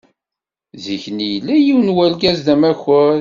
Zik-nni yella yiwen n urgaz d amakur.